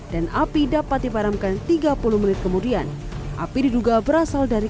dan api dapat dipadamkan tiga puluh menit kemudian api diduga berasal dari